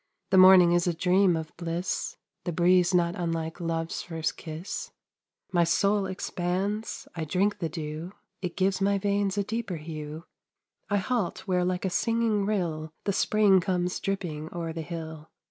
The morning is a dream of bliss, The breeze not unlike Love's first kiss. My soul expands I drink the dew, It gives my veins a deeper hue, I halt where like a singing rill The spring comes dripping o'er the hill.